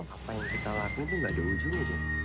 apa yang kita lakuin itu enggak ada ujungnya